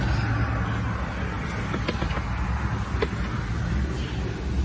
นี่